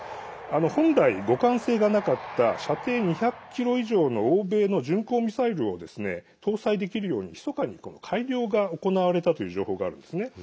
本来、互換性がなかった射程２００ｋｍ以上の欧米の巡航ミサイルを搭載できるようにひそかに改良が行われたという情報があるんですね。